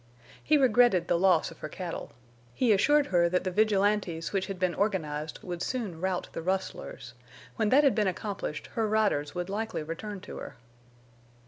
He regretted the loss of her cattle; he assured her that the vigilantes which had been organized would soon rout the rustlers; when that had been accomplished her riders would likely return to her.